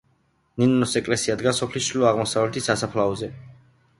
ნინოს ეკლესია დგას სოფლის ჩრდილო-აღმოსავლეთით, სასაფლაოზე.